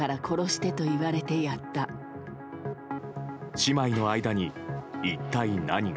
姉妹の間に、一体何が。